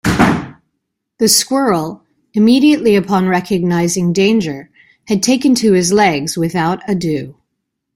The squirrel, immediately upon recognizing danger, had taken to his legs without ado.